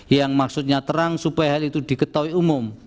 yang maksudnya terang supaya hal itu diketahui umum